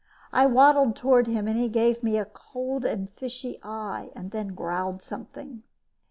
I waddled toward him and he gave me a cold and fishy eye, then growled something.